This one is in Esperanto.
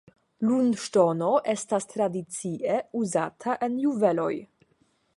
Lunŝtono estas tradicie uzata en juveloj.